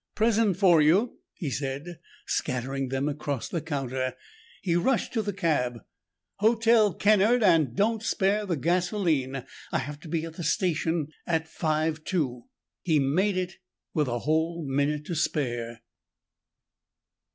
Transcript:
"Present for you," he said, scattering them across the counter. He rushed to the cab. "Hotel Kennard and don't spare the gasoline. I have to be at the station by five two!" He made it with a whole minute to spare.